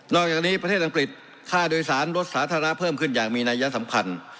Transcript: อกจากนี้ประเทศอังกฤษค่าโดยสารรถสาธารณะเพิ่มขึ้นอย่างมีนัยสำคัญ